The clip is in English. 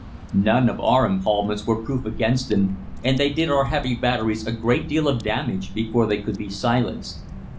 None of our epaulments were proof against them, and they did our heavy batteries a great deal of damage before they could be silenced.